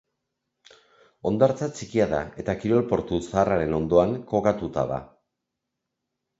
Hondartza txikia da eta kirol portu zaharraren ondoan kokatuta da.